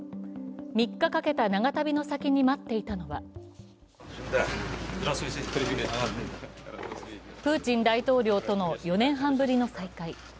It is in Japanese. ３日かけた長旅の先に待っていたのはプーチン大統領との４年半ぶりの再会。